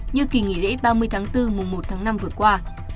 như kỳ nghỉ lễ ba mươi tháng bốn mùa một tháng năm vừa qua